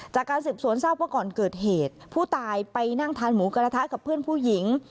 จากการสืบสวนทราบว่าก่อนเกิดเหตุผู้ตายไปนั่งทานหมูกระทะกับเพื่อนผู้หญิง